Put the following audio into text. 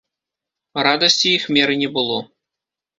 Радасці іх меры не было.